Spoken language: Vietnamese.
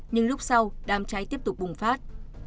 nhưng lúc sau đàm cháy tiếp tục bùng phát